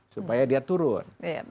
supaya dia turun